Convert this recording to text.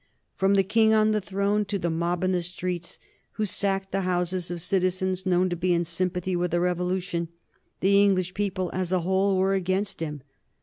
From the King on the throne to the mob in the streets, who sacked the houses of citizens known to be in sympathy with the Revolution, the English people as a whole were against him.